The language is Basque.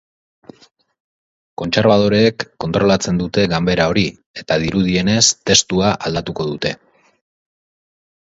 Kontserbadoreek kontrolatzen dute ganbera hori eta, dirudienez, testua aldatuko dute.